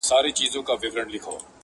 یاره ستا په خوله کي پښتنه ژبه شیرینه ده.